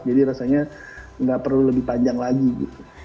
jadi rasanya gak perlu lebih panjang lagi gitu